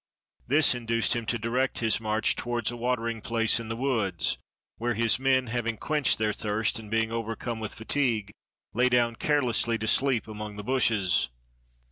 This induced him to direct his march towards a watering place in the woods, where his men, having quenched their thirst, and being overcome with fatigue, lay down carelessly to sleep among the bushes.